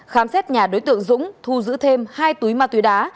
khám xét nhà đối tượng dũng thu giữ thêm hai túi ma túy đá